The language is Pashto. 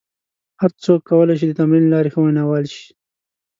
هر څوک کولای شي د تمرین له لارې ښه ویناوال شي.